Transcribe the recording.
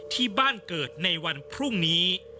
ที่บ้านเกิดในวันพรุ่งนี้